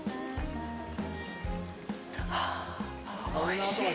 ああ、おいしい。